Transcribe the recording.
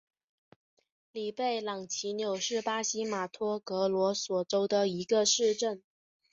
里贝朗齐纽是巴西马托格罗索州的一个市镇。